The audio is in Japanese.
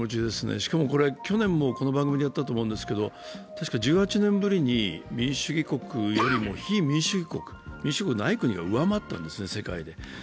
しかも去年もこの番組でやったと思いますけれどもたしか１８年ぶりの民主主義国よりも非民主主義国、民主主義国でない国が世界で上回ったんですね。